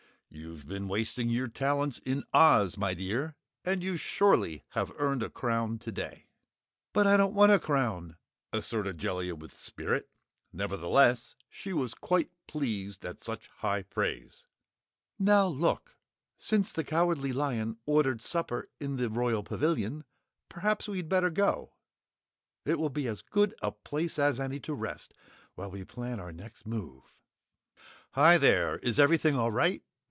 You've been wasting your talents in Oz, my dear, and you surely have earned a crown today!" "But I don't want a crown!" asserted Jellia with spirit. Nevertheless she was quite pleased at such high praise. "Now, look! Since the Cowardly Lion ordered supper in the Royal Pavilion, perhaps we'd better go. It will be as good a place as any to rest while we plan our next move." "Hi, there is everything all right?"